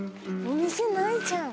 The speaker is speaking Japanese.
お店ないじゃん。